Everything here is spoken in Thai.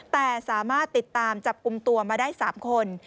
แต่สามารถติดตามจับกลุ่มตัวมาได้๓คน